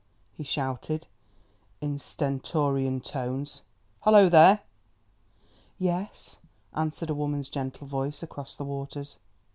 he shouted in stentorian tones. "Hullo there!" "Yes," answered a woman's gentle voice across the waters.